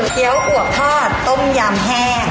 ี้ยวอัวทอดต้มยำแห้ง